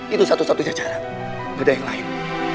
itu satu satunya cara gak ada yang lain